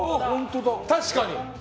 確かに。